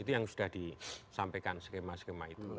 itu yang sudah disampaikan skema skema itu